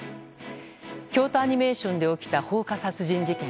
京都アニメーションで起きた放火殺人事件。